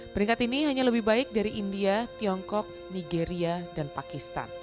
peringkat ini hanya lebih baik dari india tiongkok nigeria dan pakistan